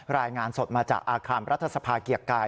รายงานสดมาจากอาคารรัฐสภาเกียรติกาย